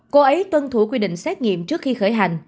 cô ấy tuân thủ quy định xét nghiệm trước khi khởi hành